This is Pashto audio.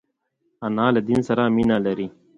انا له دین سره مینه لري